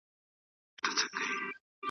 کوي او سوکاله وي .